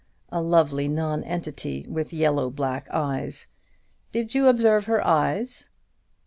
A lovely non entity with yellow black eyes. Did you observe her eyes?"